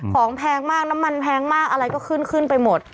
แพงมากน้ำมันแพงมากอะไรก็ขึ้นขึ้นไปหมด